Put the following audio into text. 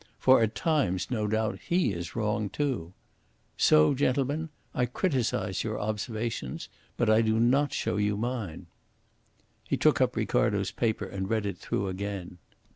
For at times, no doubt, he is wrong too. So, gentlemen, I criticise your observations, but I do not show you mine." He took up Ricardo's paper and read it through again.